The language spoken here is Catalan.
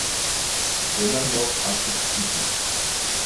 Tenen molt àcid fític.